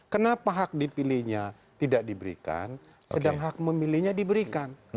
kenapa hak dipilihnya tidak diberikan sedang hak memilihnya diberikan